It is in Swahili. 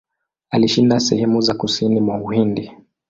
Alishinda sehemu za kusini mwa Uhindi.